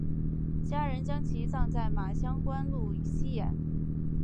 家人将其葬在马乡官路西沿。